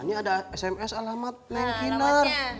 ini ada sms alamat neng kinar